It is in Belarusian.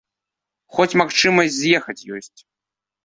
Хоць магчымасць з'ехаць ёсць.